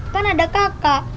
kan ada kakak